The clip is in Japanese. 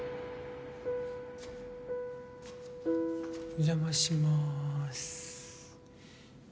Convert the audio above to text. お邪魔しまーす